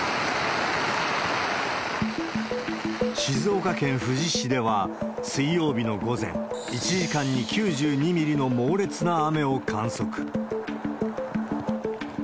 静岡県富士市では水曜日の午前、１時間に９２ミリの猛烈な雨を観測。